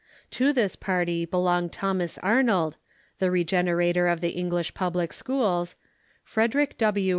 To this party belong Thomas Arnold, the regenerator of the English public schools ; Frederic W.